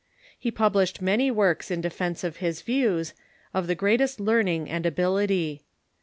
He publiished many works in defence of his views, of the greatest learning and ability.